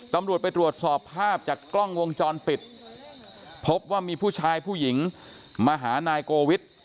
ตำรวจไปตรวจสอบภาพจากกล้องวงจรปิดพบว่ามีผู้ชายผู้หญิงมาหานายโกวิท